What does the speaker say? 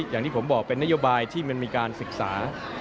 อย่างที่ผมบอกเป็นนโยบายที่มันมีการศึกษา